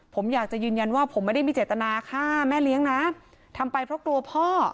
ผมอยากจะยืนยันว่าผมไม่ได้มีเจตนาฆ่าแม่เลี้ยงนะทำไปเพราะกลัวพ่อ